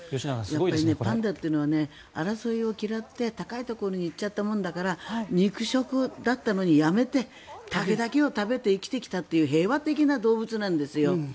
パンダというのは争いを嫌って高いところに行っちゃったものだから肉食だったのにやめて竹だけを食べて生きてきたという平和的な動物なんですよ。